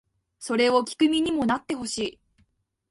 それを聴く身にもなってほしい